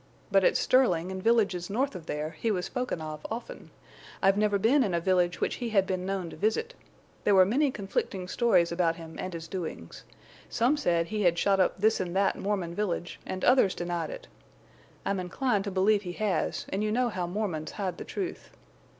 But at Sterling and villages north of there he was spoken of often. I've never been in a village which he had been known to visit. There were many conflicting stories about him and his doings. Some said he had shot up this and that Mormon village, and others denied it. I'm inclined to believe he has, and you know how Mormons hide the truth.